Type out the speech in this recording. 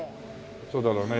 そうだろうね。